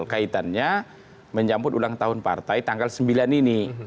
kaitannya menyambut ulang tahun partai tanggal sembilan ini